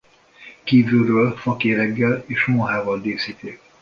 Kívülről fakéreggel és mohával díszíti.